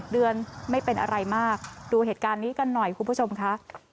ดูเหตุการณ์กันหน่อยคุณผู้ชมคะ